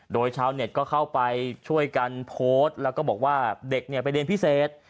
โดยชาวเน็ตก็เข้าไปช่วยกันโพสต์แล้วก็บอกว่าเด็กเนี่ยไปเรียนพิเศษ